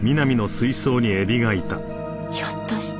ひょっとして。